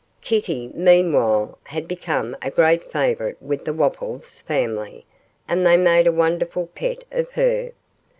Kitty, meanwhile, had become a great favourite with the Wopples family, and they made a wonderful pet of her.